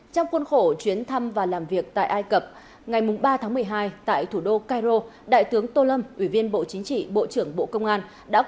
trong khuôn khổ chuyến thăm và làm việc tại ai cập ngày ba tháng một mươi hai tại thủ đô cairo đại tướng tô lâm ủy viên bộ chính trị bộ trưởng bộ công an